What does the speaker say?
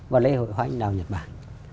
và lễ hội hoa hình đào nhật bản